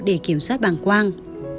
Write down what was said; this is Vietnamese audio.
để kiểm soát bằng quang